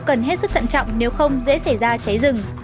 cần hết sức thận trọng nếu không dễ xảy ra cháy rừng